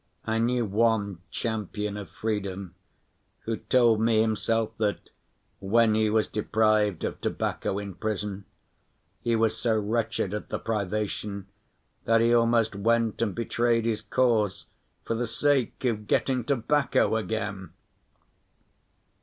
I knew one "champion of freedom" who told me himself that, when he was deprived of tobacco in prison, he was so wretched at the privation that he almost went and betrayed his cause for the sake of getting tobacco again!